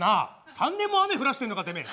３年も雨降らしてんのかてめえ！